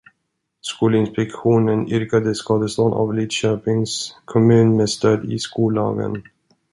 Skolinspektionen yrkade skadestånd av Lidköpings kommun med stöd i skollagen.